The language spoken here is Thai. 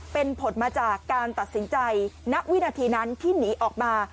เป็นผลมาจากการตัดสินใจณวินาทีนั้นที่หนีออกมา